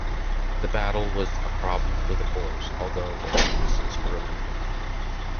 The battle was a problem for the Boers, although their losses were limited.